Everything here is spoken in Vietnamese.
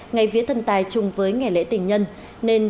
ngày vía thần tài chung với ngày lễ tình nhân nên